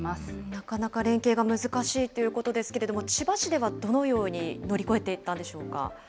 なかなか連携が難しいということですけれども、千葉市ではどのように乗り越えていったんでしょうか。